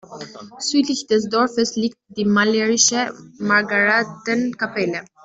Südlich des Dorfes liegt die malerische Margarethenkapelle.